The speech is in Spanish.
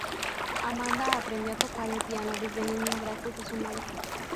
Amanda aprendió a tocar el piano desde niña gracias a su madre.